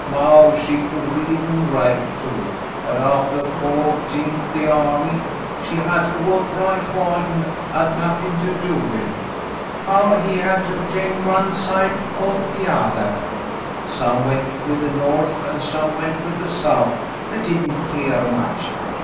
Maw, she could read, an' write, too, but aftah paw jined the ahmy, she had to work right ha'd and had nothin' to do with. Paw, he had to jine one side or t'othah. Some went with the North and some went with the South, — they didn't keer much.